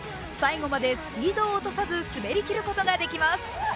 最後までスピードを落とさず滑り切ることができます。